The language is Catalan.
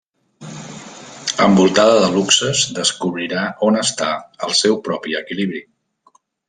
Envoltada de luxes, descobrirà on està el seu propi equilibri.